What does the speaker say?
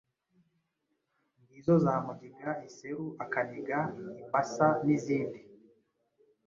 Ngizo za mugiga, iseru, akaniga, imbasa, n’izindi.